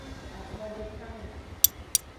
Afodekano.